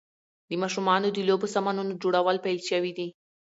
د ماشومانو د لوبو سامانونو جوړول پیل شوي دي.